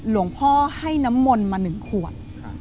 หลวงพ่อให้น้ำมนต์มา๑ขวด